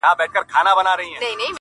پر وطن باندي موږ تېر تر سر او تن یو-